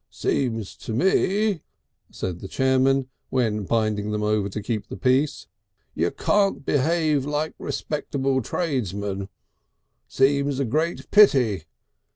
"Seems a Pity," said the chairman, when binding them over to keep the peace, "you can't behave like Respectable Tradesmen. Seems a Great Pity.